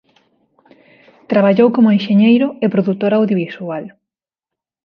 Traballou como enxeñeiro e produtor audiovisual.